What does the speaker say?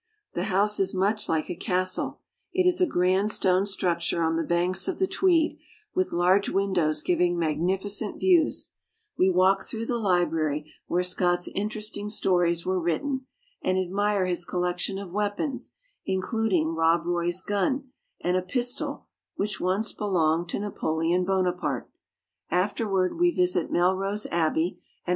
The house is much like a castle. It is a grand stone structure on the banks of the Tweed, with large windows giving magnificent views. We walk through the library, where Scott's interesting stories were written, and admire his collection of weapons, includ ing Rob Roy's gun and a pistol which once belonged to 48 ENGLAND.